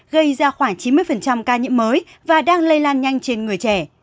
gây ra khoảng chín mươi ca nhiễm mới và đang lây lan nhanh trên người trẻ